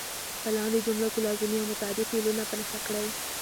په لاندې جملو کې لازمي او متعدي فعلونه په نښه کړئ.